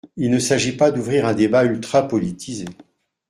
Il ne s’agit pas d’ouvrir un débat ultra-politisé.